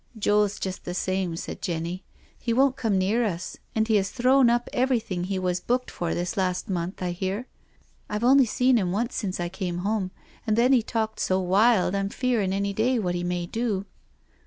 '*" Joe's just the same," said Jenny. " He won't come near us, and he has thrown up everything he was booked for this last month, I hear. I've only seen him once since I came home, and then he talked so wild I'm fearing any day what he may do."